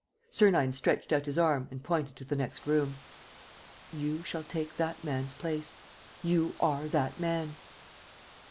Sernine stretched out his arm and pointed to the next room: "You shall take that man's place. _You are that man!